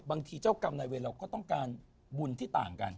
บางทีเจ้ากรรมในเวลาก็ต้องการบุญที่ต่างกัน